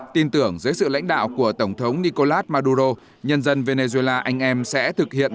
tin tưởng dưới sự lãnh đạo của tổng thống nicolas maduro nhân dân venezuela anh em sẽ thực hiện